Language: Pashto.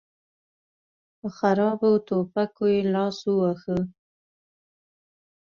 په خرابو ټوپکو یې لاس وواهه.